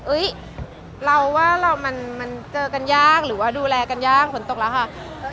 เราว่าเรามันเจอกันยากหรือว่าดูแลกันยากฝนตกแล้วค่ะ